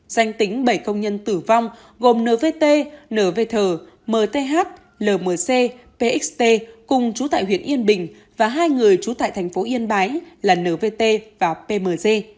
danh tính bảy công nhân tử vong gồm nvt nvth mth lmc pxt cùng trú tại huyện yên bình và hai người trú tại thành phố yên bái là nvt và pmg